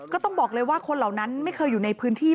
ก็ต้องบอกเลยว่าคนเหล่านั้นไม่เคยอยู่ในพื้นที่